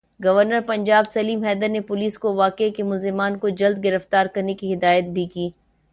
governor Punjab Salim Haider نے police کو واقعے کے ملزمان کو جلد گرفتار کرنے کی ہدایت بھی کی